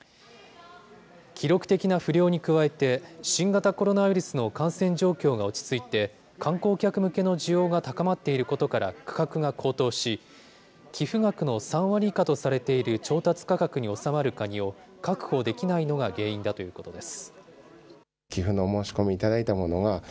記録的な不漁に加えて、新型コロナウイルスの感染状況が落ち着いて、観光客向けの需要が高まっていることから価格が高騰し、寄付額の３割以下とされている調達価格に収まるカニを確保できないのが原因だということです。